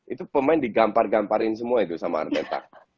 itu pemain digampar gamparin semua itu sama artetak